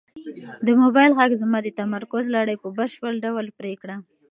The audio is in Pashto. د موبایل غږ زما د تمرکز لړۍ په بشپړ ډول پرې کړه.